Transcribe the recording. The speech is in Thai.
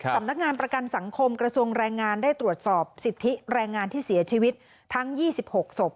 สำนักงานประกันสังคมกระทรวงแรงงานได้ตรวจสอบสิทธิแรงงานที่เสียชีวิตทั้ง๒๖ศพ